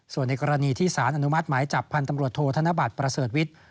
ส่วนในกรณีที่สารอนุมัติหมายจับพันธ์ตำรวจโทษธนบัตรประเสริฐวิทย์